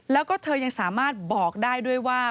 แล้วก็เธอยังสามารถบอกได้ด้วยว่า